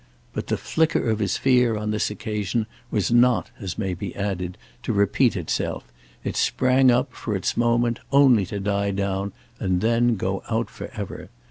But the flicker of his fear on this occasion was not, as may be added, to repeat itself; it sprang up, for its moment, only to die down and then go out for ever.